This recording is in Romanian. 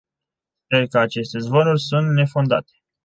Sper că aceste zvonuri sunt nefondate.